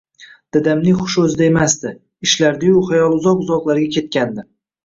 Dadamning hushi oʻzida emasdi, ishlardi-yu, xayoli uzoq-uzoqlarga ketgandi.